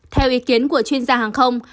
theo ý kiến của chuyên gia hàng không